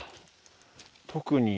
特に。